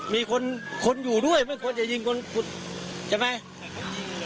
มีคนคนอยู่ด้วยไม่ควรจะยิงคนขุดใช่ไหม